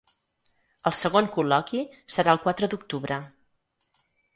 El segon col·loqui serà el quatre d’octubre.